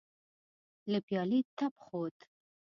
له پيالې تپ خوت.